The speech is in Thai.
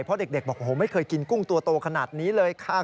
เพราะเด็กบอกโอ้โหไม่เคยกินกุ้งตัวโตขนาดนี้เลยค่ะ